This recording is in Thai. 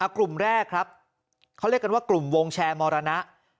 กลุ่มแรกครับเขาเรียกกันว่ากลุ่มวงแชร์มรณะ